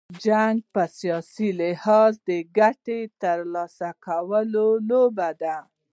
جنګ په سیاسي لحاظ، د ګټي تر لاسه کولو لوبه ده.